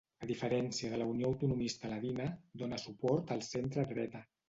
A diferència de la Unió Autonomista Ladina, dóna suport al centredreta.